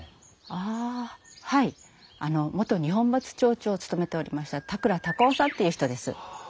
ああはい元二本松町長を務めておりました田倉孝雄さんっていう人です。